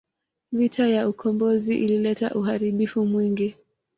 Vita ya ukombozi ilileta uharibifu mwingi.